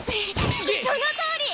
そのとおり！